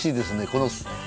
この。